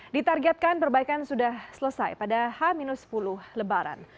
ditargetkan perbaikan sudah selesai pada h sepuluh lebaran